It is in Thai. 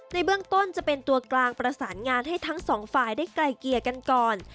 ในเบื้องต้นจะเป็นตัวกลางประสานงานให้ทั้งสองฝ่ายได้ไกลเกลี่ยกันก่อน